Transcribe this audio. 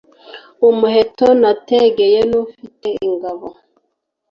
umuheto nategeye nufite ingabo